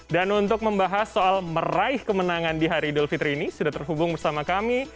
untuk membahas soal meraih kemenangan di hari idul fitri ini sudah terhubung bersama kami